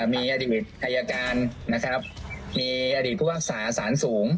มีอดีตอายการนะครับมีอดีตผู้พิพากษาสารสูง